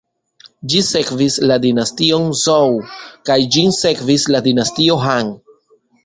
Ĝi sekvis la Dinastion Zhou, kaj ĝin sekvis la Dinastio Han.